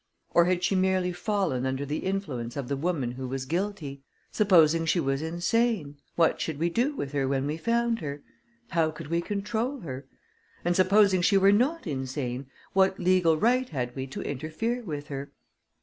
Or had she merely fallen under the influence of the woman who was guilty? Supposing she was insane, what should we do with her when we found her? How could we control her? And, supposing she were not insane, what legal right had we to interfere with her?